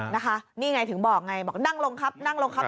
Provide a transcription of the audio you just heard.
นี่อย่างไรถึงบอกนั่งลงครับนั่งลงครับ